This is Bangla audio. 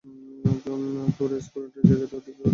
তোর স্কেটিংয়ের জায়গাটার ওদিক দিয়ে যাবে।